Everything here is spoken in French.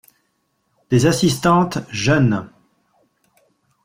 Des assistantes jeûnent.